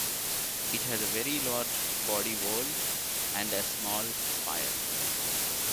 It has a very large body whorl and a small spire.